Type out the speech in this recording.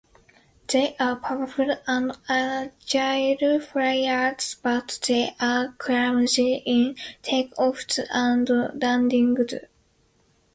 They are powerful and agile fliers, but they are clumsy in takeoffs and landings.